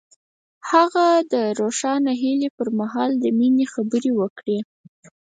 هغه د روښانه هیلې پر مهال د مینې خبرې وکړې.